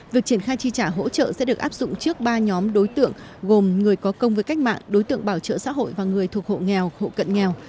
việc triển khai chi trả hỗ trợ sẽ được áp dụng trước ba nhóm đối tượng gồm người có công với cách mạng đối tượng bảo trợ xã hội và người thuộc hộ nghèo hộ cận nghèo